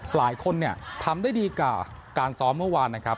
หลายคนเนี่ยทำได้ดีกว่าการซ้อมเมื่อวานนะครับ